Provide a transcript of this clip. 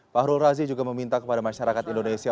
fahrul razi juga meminta kepada masyarakat indonesia